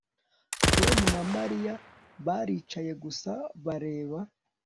Tom na Mariya baricaye gusa bareba